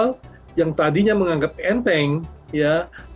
ya dan israel yang tadinya menganggap enteng ya